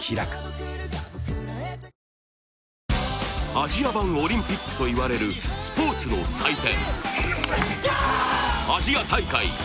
アジア版オリンピックといわれるスポーツの祭典